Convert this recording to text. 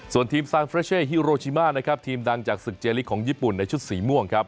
ส่วนทีมซานเฟรเช่ฮิโรชิมานะครับทีมดังจากศึกเจลิกของญี่ปุ่นในชุดสีม่วงครับ